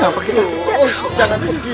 jangan begitu kakak